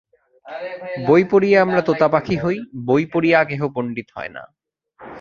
বই পড়িয়া আমরা তোতাপাখি হই, বই পড়িয়া কেহ পণ্ডিত হয় না।